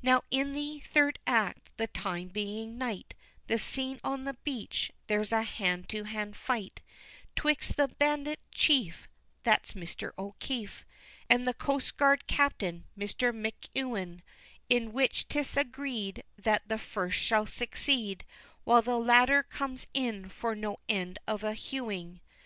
Now in the third act, the time being night, The scene on the beach, there's a hand to hand fight 'Twixt the Bandit chief (That's Mr. O'Keefe) And the coastguard captain, Mr. McEwen, In which 'tis agreed That the first shall succeed, While the latter comes in for no end of a hewing.